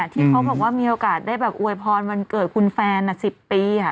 ที่เขาบอกว่ามีโอกาสได้แบบอวยพรวันเกิดคุณแฟน๑๐ปี